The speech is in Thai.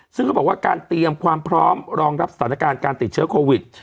ซึ่งเขาบอกว่าการเตรียมความพร้อมรองรับสถานการณ์การติดเชื้อโควิด